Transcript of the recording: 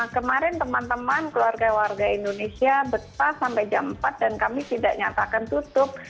kemarin teman teman keluarga warga indonesia betah sampai jam empat dan kami tidak nyatakan tutup